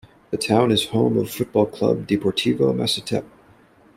The town is home of football club Deportivo Masatepe.